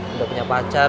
udah punya pacar